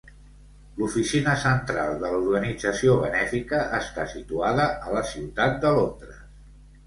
L"oficina central de l"organització benèfica està situada a la ciutat de Londres.